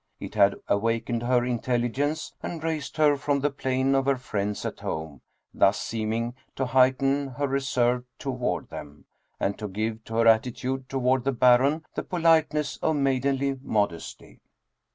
It had awakened her intelligence and raised her from the plane of her friends at home, thus seeming to heighten her reserve toward them, and to give to her attitude toward the Baron the politeness of maidenly modesty.